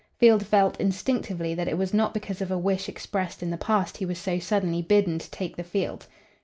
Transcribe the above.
Field felt instinctively that it was not because of a wish expressed in the past he was so suddenly bidden to take the field.